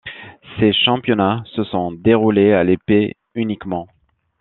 Ces championnats se sont déroulés à l'épée uniquement.